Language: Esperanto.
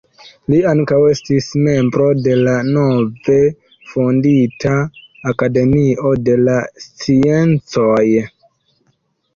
Li ankaŭ estis membro de la nove fondita Akademio de la sciencoj.